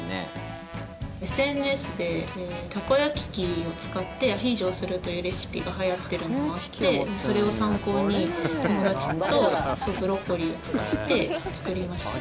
ＳＮＳでたこ焼き器を使ってアヒージョをするというレシピがはやっているのもあってそれを参考に友達とブロッコリーを使って作りました。